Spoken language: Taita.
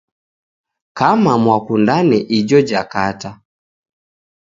Kama mwakundane ijo jakata